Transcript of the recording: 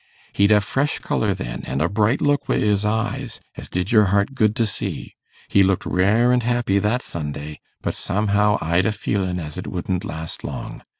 He'd a fresh colour then, an' a bright look wi' his eyes, as did your heart good to see. He looked rare and happy that Sunday; but somehow, I'd a feelin' as it wouldn't last long.